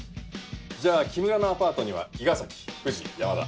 じゃあ木村のアパートには伊賀崎藤山田。